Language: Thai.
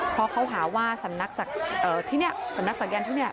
เพราะเขาหาว่าสำนักศักยรษ์เอ่อที่เนี่ยสำนักศักยรษ์ที่เนี่ย